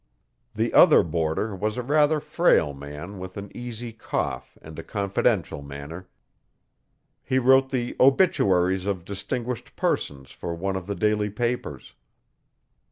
The other boarder was a rather frail man with an easy cough and a confidential manner, he wrote the 'Obituaries of Distinguished Persons' for one of the daily papers.